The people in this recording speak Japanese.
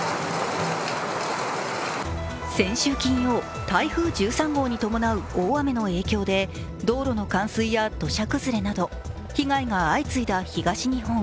先週金曜、台風１３号に伴う大雨の影響で道路の冠水や土砂崩れなど被害が相次いだ東日本。